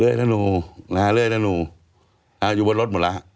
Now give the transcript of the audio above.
อยู่บนรถหมดแล้ว